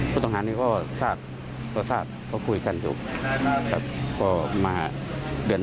ผู้ต่างหากนี้ก็ทราบเขาคุยกันอยู่